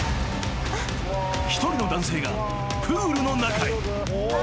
［一人の男性がプールの中へ］